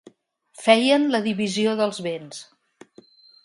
Feien la divisió dels béns.